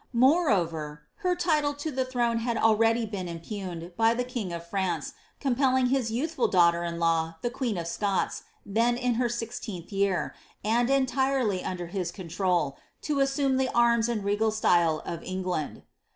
Moreover, her title to the throne had been already impugned, by the king of France compelling his y»>uthful daughter in law, the queen of Scots, then in her sixteenth year, and entirely under his control, to assume the irm« and re<:nl style of England.